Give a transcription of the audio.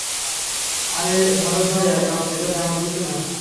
আরে ভারত ভাইয়া, এটা তেমন কিছু না।